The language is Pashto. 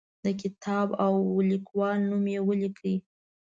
د کتاب او لیکوال نوم یې ولیکئ.